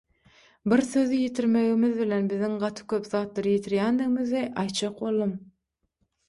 Bir sözi ýitirmegimiz bilen biziň gaty köp zatlary ýitirýändigimizi aýtjak boldum.